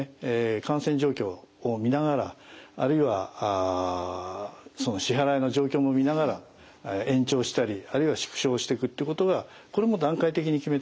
感染状況を見ながらあるいは支払いの状況も見ながら延長したりあるいは縮小していくってことがこれも段階的に決めてくことじゃないかと思います。